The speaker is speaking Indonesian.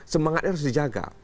semangatnya harus dijaga